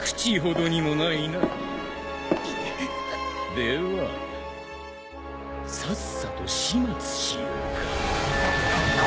ではさっさと始末しようか。